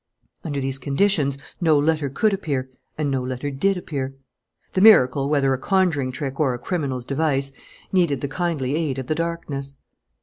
Under these conditions no letter could appear, and no letter did appear. The miracle, whether a conjuring trick or a criminal's device, needed the kindly aid of the darkness.